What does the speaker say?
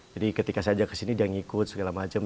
jadi ketika saya ajak ke sini dia ngikut segala macam